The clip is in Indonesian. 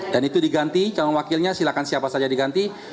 dan itu diganti calon wakilnya silahkan siapa saja diganti